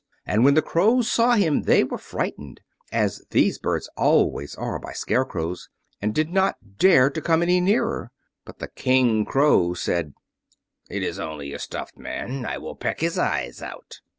And when the crows saw him they were frightened, as these birds always are by scarecrows, and did not dare to come any nearer. But the King Crow said: "It is only a stuffed man. I will peck his eyes out."